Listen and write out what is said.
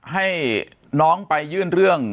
ให้น้องไปยื่นเรื่อง